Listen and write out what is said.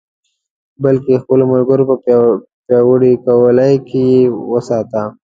بلکې د خپلو ملګرو په پیاوړې ټولۍ کې یې وساته.